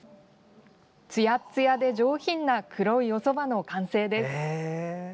つやつやで上品な黒いおそばの完成です。